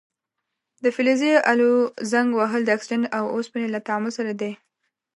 د فلزي الو زنګ وهل د اکسیجن او اوسپنې له تعامل څخه دی.